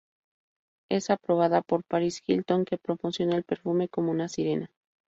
Es aprobada por Paris Hilton, que promociona el perfume como una sirena.